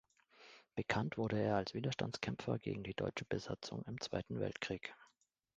Bekannt wurde er als Widerstandskämpfer gegen die deutsche Besatzung im Zweiten Weltkrieg.